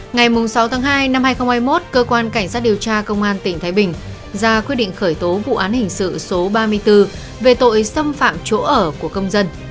ngày sáu tháng hai năm hai nghìn hai mươi một cơ quan cảnh sát điều tra công an tỉnh thái bình ra quyết định khởi tố vụ án hình sự số ba mươi bốn về tội xâm phạm chỗ ở của công dân